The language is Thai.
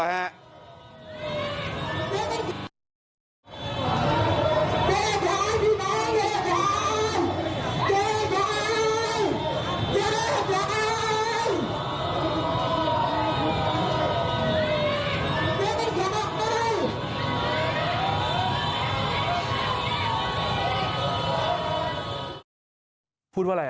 แยกย้ายพี่น้องแยกย้าย